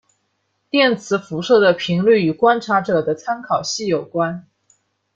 电磁辐射的频率与观察者的参考系有关。